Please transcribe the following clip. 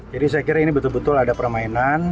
jadi saya kira ini betul betul ada permainan